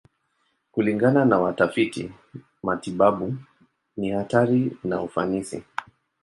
Kulingana na watafiti matibabu, ni hatari na ufanisi.